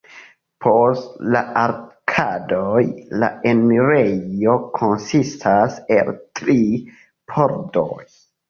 Post la arkadoj la enirejo konsistas el tri pordoj.